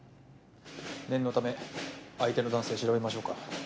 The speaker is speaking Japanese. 念のため相手の男性調べましょうか？